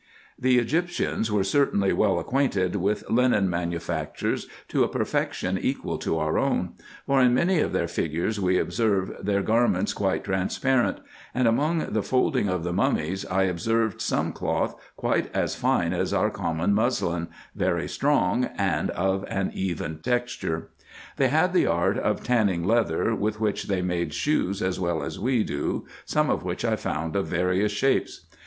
The Egyptians were certainly well acquainted with linen ma nufactures to a perfection equal to our own ; for, in many of their figures, we observe their garments quite transparent ; and among the folding of the mummies, I observed some cloth quite as fine as our common muslin, very strong, and of an even texture. They had the art of tanning leather, with which they made shoes as well as we do, some of which I found of various shapes.